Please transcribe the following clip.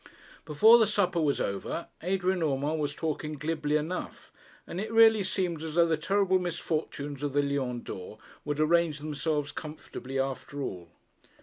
Before the supper was over, Adrian Urmand was talking glibly enough; and it really seemed as though the terrible misfortunes of the Lion d'Or would arrange themselves comfortably after all.